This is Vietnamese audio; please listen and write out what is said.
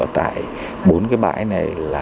tại bốn cái bãi này